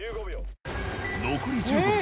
残り１５秒。